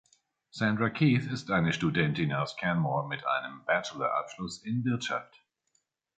Sandra Keith ist eine Studentin aus Canmore mit einem Bachelor-Abschluss in Wirtschaft.